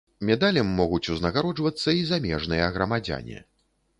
Медалем могуць узнагароджвацца і замежныя грамадзяне.